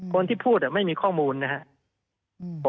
คนที่พูดไม่มีข้อมูลนะครับ